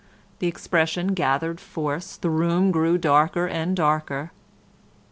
The expression gathered force, the room grew darker and darker.